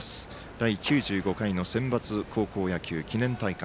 第９５回のセンバツ高校野球記念大会。